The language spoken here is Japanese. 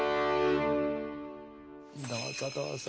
どうぞどうぞ。